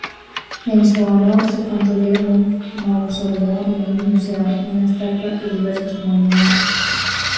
En su honor, se construyeron un mausoleo y museo, una estatua y diversos monumentos